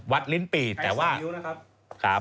วัดลิ้นปี่แต่ว่า